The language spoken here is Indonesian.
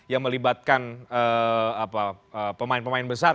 yang melibatkan pemain pemain besar